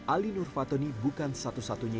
ali nur fatoni bukan satu satunya